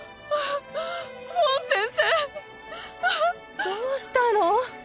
フォン先生どうしたの？